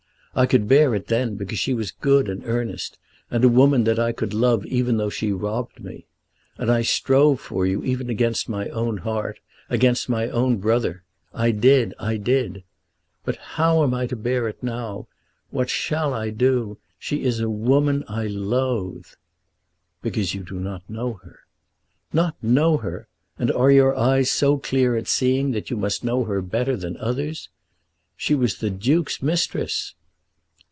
I could bear it then because she was good and earnest, and a woman that I could love even though she robbed me. And I strove for you even against my own heart, against my own brother. I did; I did. But how am I to bear it now? What shall I do now? She is a woman I loathe." "Because you do not know her." "Not know her! And are your eyes so clear at seeing that you must know her better than others? She was the Duke's mistress."